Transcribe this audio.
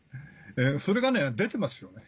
それが出てますよね。